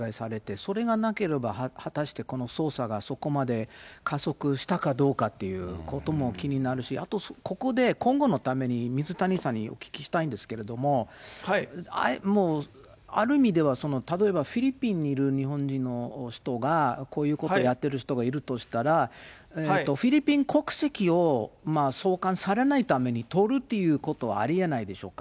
それがなければ果たしてこの捜査がそこまで加速したかどうかっていうことも気になるし、あとここで、今後のために水谷さんにお聞きしたいんですけれども、ある意味では、例えばフィリピンにいる日本人の人がこういうことやってる人がいるとしたら、フィリピン国籍を送還されないために取るっていうことはありえないでしょうか。